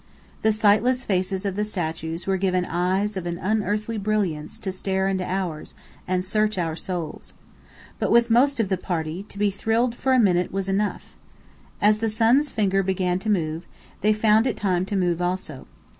The sightless faces of the statues were given eyes of an unearthly brilliance to stare into ours, and search our souls. But with most of the party, to be thrilled for a minute was enough. As the sun's finger began to move, they found it time to move also.